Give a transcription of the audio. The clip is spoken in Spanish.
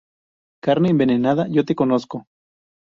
carne envenenada. yo te conozco.